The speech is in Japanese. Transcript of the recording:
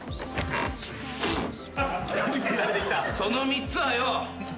その３つはよ